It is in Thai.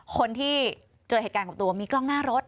คนที่เจอเหตุการณ์กับตัวมีกล้องหน้ารถ